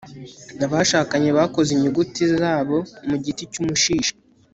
abashakanye bakoze inyuguti zabo mu giti cy'umushishi